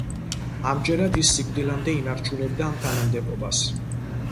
ამჯერად, ის სიკვდილამდე ინარჩუნებდა ამ თანამდებობას.